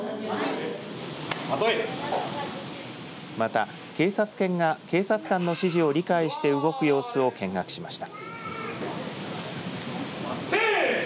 また、警察犬が警察官の指示を理解して動く様子を見学しました。